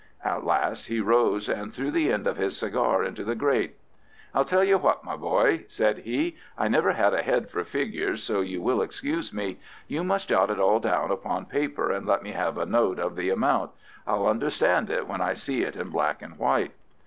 At last he rose and threw the end of his cigar into the grate. "I'll tell you what, my boy," said he. "I never had a head for figures, so you will excuse me. You must jot it all down upon paper, and let me have a note of the amount. I'll understand it when I see it in black and white."